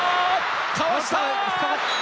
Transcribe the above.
倒した。